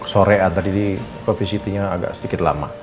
sore tadi di visitinya agak sedikit lama